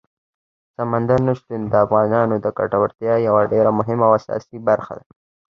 سمندر نه شتون د افغانانو د ګټورتیا یوه ډېره مهمه او اساسي برخه ده.